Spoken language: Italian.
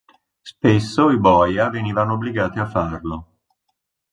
Spesso i boia venivano obbligati a farlo.